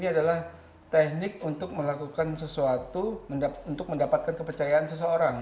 ini adalah teknik untuk melakukan sesuatu untuk mendapatkan kepercayaan seseorang